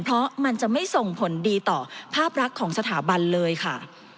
เพราะมันจะไม่ส่งผลดีต่อภาพรักของสถาบันเลยค่ะ